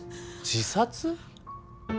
自殺？